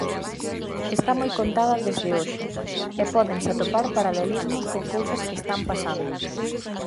Está moi contada desde hoxe, e pódense atopar paralelismos con cousas que están pasando.